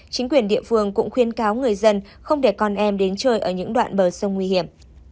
chính quyền địa phương cũng khuyên cáo người dân không để con em đến chơi ở những đoạn bờ sông nguy hiểm